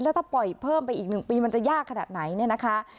แล้วถ้าปล่อยเพิ่มไปอีก๑ปีมันจะยากขนาดไหนเนี่ยนะคะ